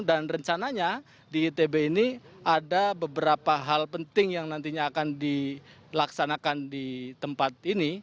dan rencananya di itb ini ada beberapa hal penting yang nantinya akan dilaksanakan di tempat ini